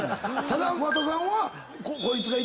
ただ桑田さんは。